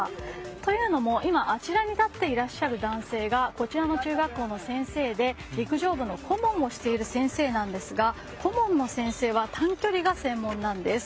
というのも、今あちらに立っていらっしゃる男性がこちらの中学校の先生で陸上部の顧問もしている先生で顧問の先生は短距離が専門なんです。